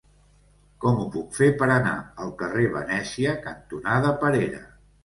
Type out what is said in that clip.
Com ho puc fer per anar al carrer Venècia cantonada Perera?